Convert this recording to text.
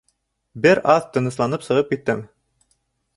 Бер аҙ тынысланып сығып киттем.